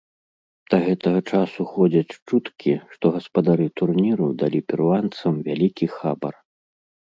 Да гэтага часу ходзяць чуткі, што гаспадары турніру далі перуанцам вялікі хабар.